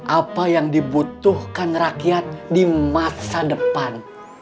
apa yang dibutuhkan rakyat di masa depan